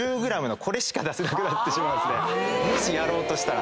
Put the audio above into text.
もしやろうとしたら。